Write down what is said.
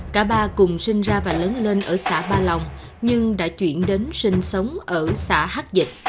cả ba cùng sinh ra và lớn lên ở xã ba lòng nhưng đã chuyển đến sinh sống ở xã hách dịch